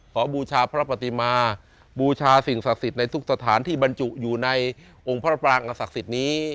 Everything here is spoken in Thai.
บูชาพระปฏิมาบูชาสิ่งศักดิ์สิทธิ์ในทุกสถานที่บรรจุอยู่ในองค์พระปรางอศักดิ์สิทธิ์นี้